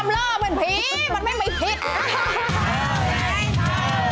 แผงความล่อเป็นผีมันไม่มีผิด